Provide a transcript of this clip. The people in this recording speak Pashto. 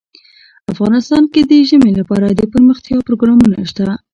افغانستان کې د ژمی لپاره دپرمختیا پروګرامونه شته.